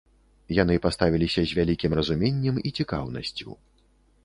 Яны паставіліся з вялікім разуменнем і цікаўнасцю.